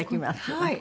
はい。